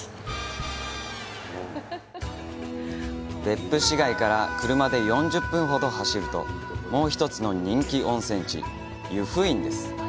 別府市街から車で４０分ほど走るともう一つの人気温泉地・湯布院です。